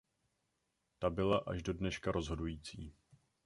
Ta byla až do dneška rozhodující.